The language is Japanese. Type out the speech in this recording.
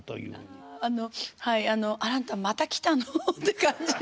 はいあの「あなたまた来たの？」って感じで。